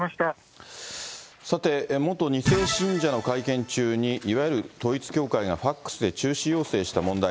さて、元２世信者の会見中に、いわゆる統一教会がファックスで中止要請した問題。